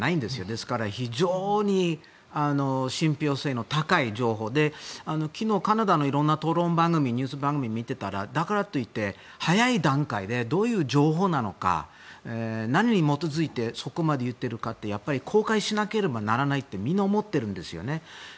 ですから、非常に信憑性の高い情報で昨日、カナダのいろんな討論番組ニュース番組を見ていたらだからといって早い段階でどういう情報なのか何に基づいてそこまで言っているかってやっぱり公開しなければならないってみんな思ってるんですよね。